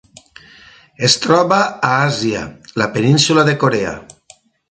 Es troba a Àsia: la península de Corea.